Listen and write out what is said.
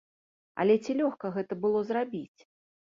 Але ці лёгка гэта было зрабіць?